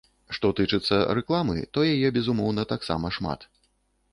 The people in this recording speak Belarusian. Што тычыцца рэкламы, то яе, безумоўна, таксама шмат.